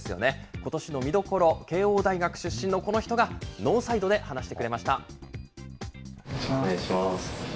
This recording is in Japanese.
ことしの見どころ、慶応大学出身のこの人が、ノーサイドで話してくれました。